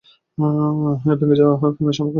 ভেঙে যাওয়া প্রেমের সম্পর্ক জোড়া লাগাতে পারে।